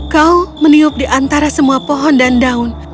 kau meniup di antara semua pohon dan daun